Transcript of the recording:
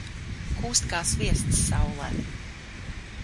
Kūst kā sviests saulē.